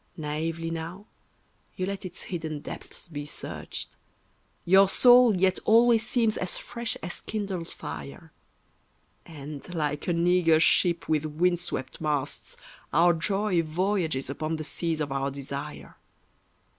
Naively now you let its hidden depths be searched, Your soul yet always seems as fresh as kindled fire; And, like an eager ship with wind swept masts, our joy Voyages upon the seas of our desire.